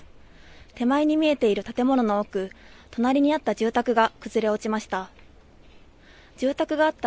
手前に見えている建物の奥隣にあった住宅が崩れ落ちました。